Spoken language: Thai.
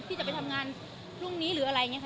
จะไปทำงานพรุ่งนี้หรืออะไรอย่างนี้ค่ะ